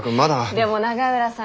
でも永浦さん